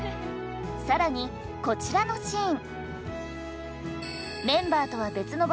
更にこちらのシーン。